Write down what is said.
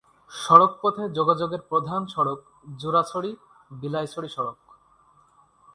সড়ক পথে যোগাযোগের প্রধান সড়ক জুরাছড়ি-বিলাইছড়ি সড়ক।